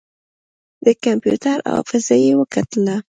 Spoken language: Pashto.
د کمپيوټر حافظه يې وکتله.